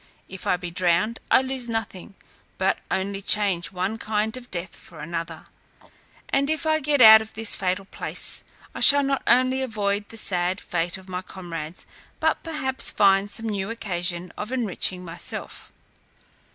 If I be drowned, I lose nothing, but only change one kind of death for another; and if I get out of this fatal place, I shall not only avoid the sad fate of my comrades, but perhaps find some new occasion of enriching myself.